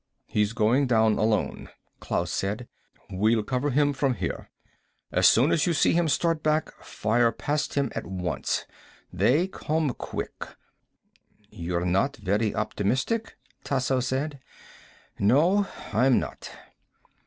"He's going down alone," Klaus said. "We'll cover him from here. As soon as you see him start back, fire past him at once. They come quick." "You're not very optimistic," Tasso said. "No, I'm not."